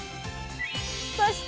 そして！